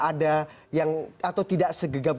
ada yang atau tidak segegap